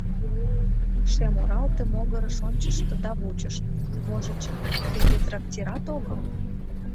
Шем оралте могырыш ончышто да вучыш — можыч, тиде трактират огыл?